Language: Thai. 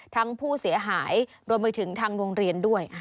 ทั้งผู้เสียหายรวมไปถึงทางโรงเรียนด้วย